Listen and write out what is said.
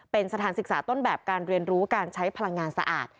เป็นสถานศึกษาต้นแบบการเรียนรู้การใช้พลังงานสะอาด